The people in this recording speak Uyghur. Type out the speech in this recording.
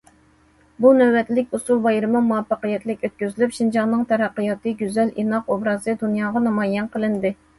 بۇ نۆۋەتلىك ئۇسسۇل بايرىمى مۇۋەپپەقىيەتلىك ئۆتكۈزۈلۈپ، شىنجاڭنىڭ تەرەققىياتى، گۈزەل، ئىناق ئوبرازى دۇنياغا نامايان قىلىندى.